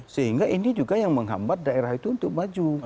sehingga ini juga yang menghambat daerah itu untuk maju